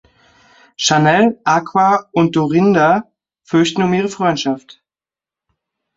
Chanel, Aqua und Dorinda fürchten um ihre Freundschaft.